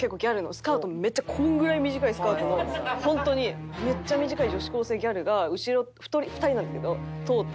スカートもめっちゃこのぐらい短いスカートのホントにめっちゃ短い女子高生ギャルが後ろ２人なんですけど通って。